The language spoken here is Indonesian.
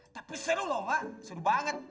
tapi seru lho mak seru banget